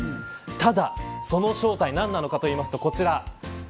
ただその正体なんなのかと言いますと、こちら。